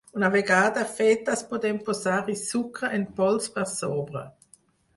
Una vegada fetes podem posar-hi sucre en pols per sobre.